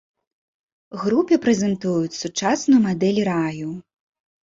Групе прэзентуюць сучасную мадэль раю.